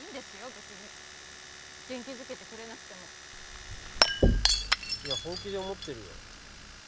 別に元気づけてくれなくてもいや本気で思ってるよ